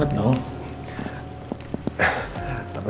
kamu kan belum kuat banget dong